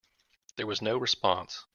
There was no response.